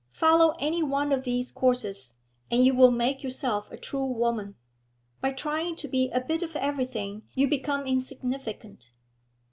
'Follow any one of these courses, and you will make of yourself a true woman. By trying to be a bit of everything you become insignificant.